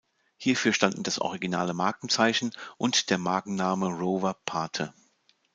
Hierfür standen das originale Markenzeichen und der Markenname "Rover" Pate.